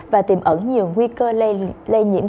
và tìm ẩn nhiều nguy cơ lây nhiễm